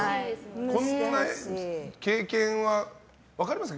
こんな経験は分かりますか？